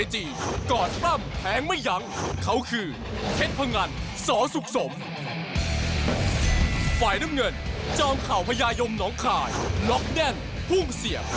เจ้าข่าวพญายมหนองข่ายหลอกแดนภูมิเสียบ